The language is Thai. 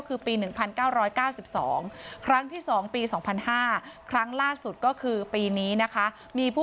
คือปี๑๙๙๒ครั้งที่๒ปี๒๐๐๕ครั้งล่าสุดก็คือปีนี้นะคะ